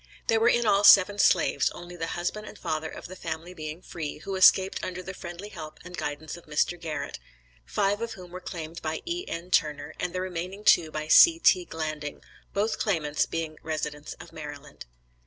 There were in all seven slaves, only the husband and father of the family being free, who escaped under the friendly help and guidance of Mr. Garrett, five of whom were claimed by E.N. Turner, and the remaining two by C.T. Glanding, both claimants being residents of Maryland.